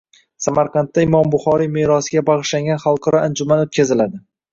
Samarqandda Imom Buxoriy merosiga bag‘ishlangan xalqaro anjuman o‘tkaziladi